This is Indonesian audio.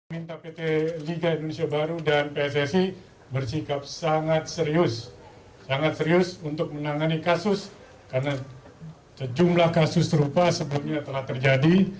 minta pt lib dan pssi bersikap sangat serius sangat serius untuk menangani kasus karena sejumlah kasus terupa sebelumnya telah terjadi